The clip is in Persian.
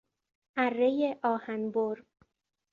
ارهی آهنبر